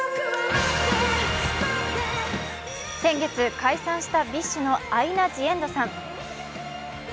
先月、解散したＢｉＳＨのアイナ・ジ・エンドさん。